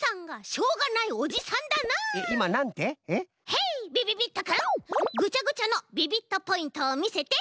ヘイびびびっとくんぐちゃぐちゃのビビットポイントをみせて。